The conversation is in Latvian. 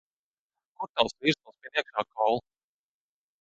Kur tas vīrs mūs pin iekšā, Koul?